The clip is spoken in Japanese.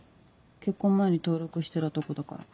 結婚前に登録してたとこだから。